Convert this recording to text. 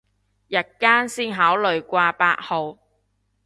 日間先考慮掛八號